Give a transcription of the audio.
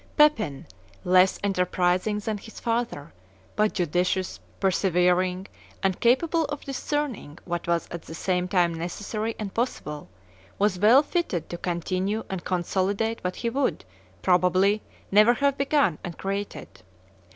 Pepin, less enterprising than his father, but judicious, persevering, and capable of discerning what was at the same time necessary and possible, was well fitted to continue and consolidate what he would, probably, never have begun and created.